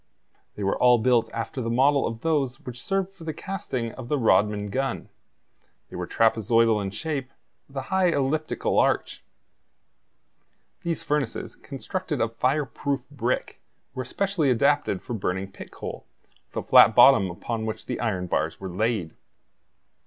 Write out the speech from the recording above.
They were all built after the model of those which served for the casting of the Rodman gun; they were trapezoidal in shape, with a high elliptical arch. These furnaces, constructed of fireproof brick, were especially adapted for burning pit coal, with a flat bottom upon which the iron bars were laid.